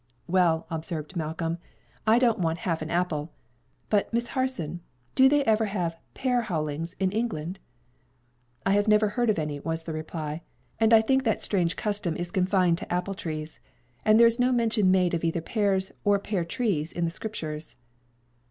"Well," observed Malcolm, "I don't want half an apple. But, Miss Harson, do they ever have 'pear howlings' in England?" "I have never read of any," was the reply, "and I think that strange custom is confined to apple trees. And there is no mention made of either pears or pear trees in the Scriptures."